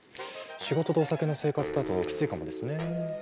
仕事とお酒の生活だとキツいかもですねえ。